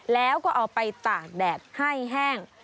แล้วก็เอาไปตากแดดให้แห้ง